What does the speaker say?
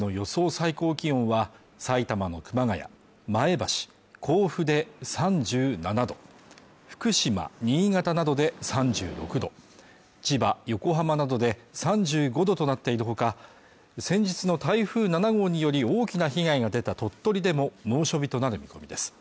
最高気温は埼玉の熊谷前橋甲府で３７度福島新潟などで３６度千葉横浜などで３５度となっているほか先日の台風７号により大きな被害が出た鳥取でも猛暑日となる見込みです